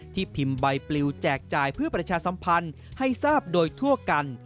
พิมพ์ใบปลิวแจกจ่ายเพื่อประชาสัมพันธ์ให้ทราบโดยทั่วกัน